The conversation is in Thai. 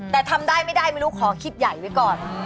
แต่ทำได้ไม่ได้ไม่รู้ขอคิดใหญ่ไว้ก่อน